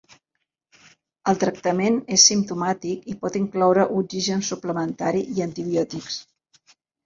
El tractament és simptomàtic i pot incloure oxigen suplementari i antibiòtics.